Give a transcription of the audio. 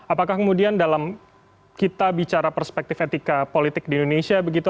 apakah kemudian dalam kita bicara perspektif etika politik di indonesia begitu